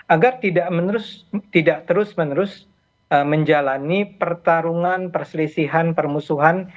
agar tidak terus menerus menjalani pertarungan perselisihan permusuhan